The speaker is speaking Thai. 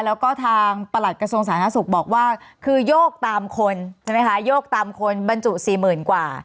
แล้วก็ทางประหลัดกระทรวงสาธารณสุขบอกว่าคือโยกตามคนใช่ไหมคะโยกตามคนบรรจุ๔๐๐๐กว่า